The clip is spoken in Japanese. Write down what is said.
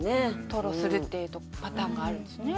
吐露するっていうパターンがあるんですね